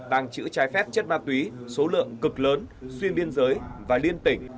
tàng trữ trái phép chất ma túy số lượng cực lớn xuyên biên giới và liên tỉnh